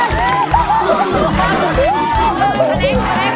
ไม่ตายยังหลังเลย